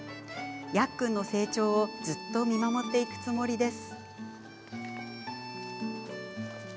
やっくんの成長を、ずっと見守っていくつもりです。